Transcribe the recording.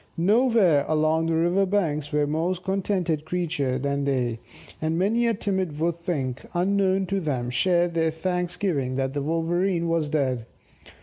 Nowhere along the river banks were more contented creatures than they; and many a timid wood thing, unknown to them, shared their thanksgiving that the Wolverene was dead.